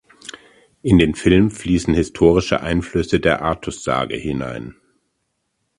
In den Film fließen historische Einflüsse der Artussage hinein.